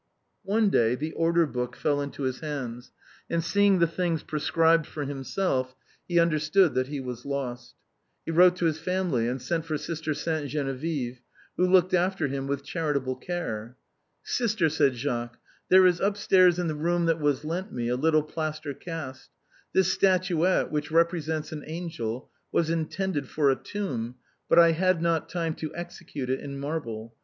One day the order book fell into his hands, and seeing the things prescribed for himself, he understood that he was lost. He wrote to his family, and sent for Sister Sainte Geneviève, who looked after him with charitable care. " Sister," said Jacques, " there is upstairs in the room that was lent me a little plaster cast. This statuette. francine's muff. 249 which represents an angel, was intended for a tomb, but I had not time to execute it in marble.